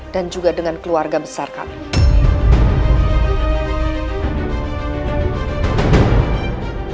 dan juga dengan keluarga besar kamu